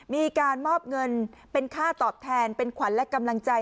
มีการมอบเงินเป็นค่าตอบแทนเป็นขวัญและกำลังใจ